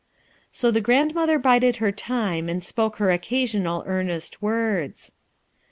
So the grandmother bided her time, and spoke her occasional earnest words.